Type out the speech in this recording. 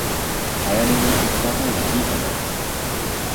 早めに行ったほうが良いかな？